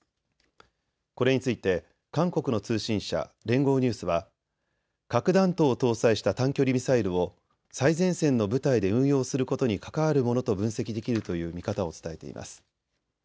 これについて韓国の通信社、連合ニュースは核弾頭を搭載した短距離ミサイルを最前線の部隊で運用することに関わるものと分析できるという見方を伝えています。